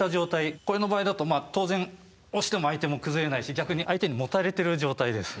これの場合だと当然押しても相手も崩れないし逆に相手にもたれてる状態です。